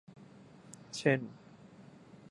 เช่น